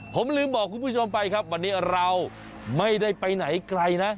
ผมลืมบอกคุณผู้ชมไปครับวันนี้เราไม่ได้ไปไหนไกลนะ